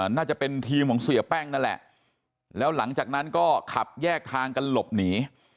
น่าจะเป็นทีมของเสียแป้งนั่นแหละแล้วหลังจากนั้นก็ขับแยกทางกันหลบหนี